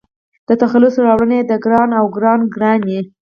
د تخلص راوړنه يې د --ګران--او --ګرانه ګراني